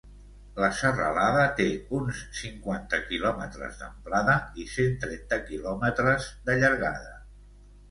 La serralada té uns cinquanta quilòmetres d'amplada i cent trenta quilòmetres de llargada.